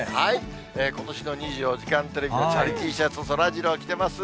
ことしの２４時間テレビのチャリＴシャツ、そらジロー、着てます。